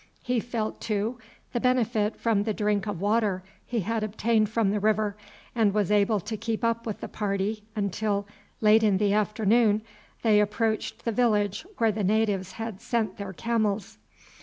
He felt, too, the benefit from the drink of water he had obtained from the river, and was able to keep up with the party until, late in the afternoon, they approached the village where the natives had sent their camels.